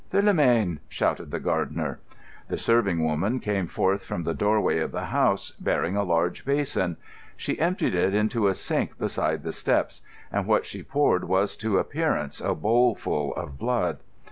"Philomène!" shouted the gardener. The serving woman came forth from the doorway of the house, bearing a large basin. She emptied it into a sink beside the steps, and what she poured was to appearance a bowlful of blood.